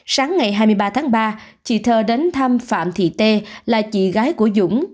sáng ngày hai mươi ba tháng ba chị thơ đến thăm phạm thị tê là chị gái của dũng